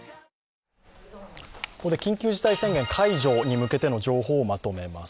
ここで緊急事態宣言解除に向けての情報、まとめます。